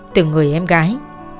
từ người em gái